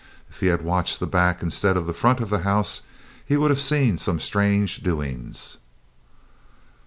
If he had watched the back instead of the front of the house, he would have seen some strange doings.